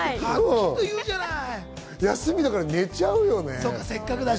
休みだから寝ちゃうよね。